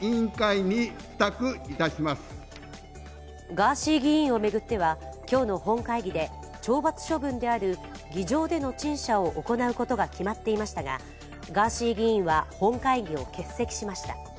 ガーシー議員を巡っては今日の本会議で懲罰処分である議場での陳謝を行うことが決まっていましたがガーシー議員は本会議を欠席しました。